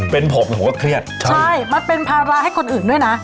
เป็นผมผมก็เครียดใช่มันเป็นภาระให้คนอื่นด้วยนะ